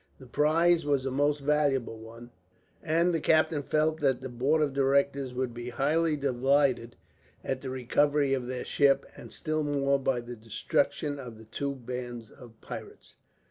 The prize was a most valuable one, and the captain felt that the board of directors would be highly delighted at the recovery of their ship, and still more by the destruction of the two bands of pirates.